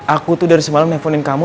aku tuh dari semalam nelfonin kamu